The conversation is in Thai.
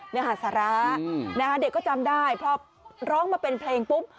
เนื้อหาสาระเด็กก็จำได้พอร้องมาเป็นเพลงปุ๊บ